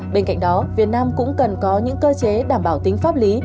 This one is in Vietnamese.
bên cạnh đó việt nam cũng cần có những cơ chế đảm bảo tính pháp lý